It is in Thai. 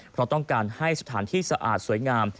เพราะต้องการให้สถานที่สะอาดสวยงาม